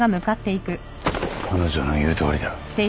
彼女の言うとおりだ。